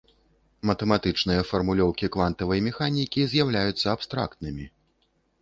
Матэматычныя фармулёўкі квантавай механікі з'яўляюцца абстрактнымі.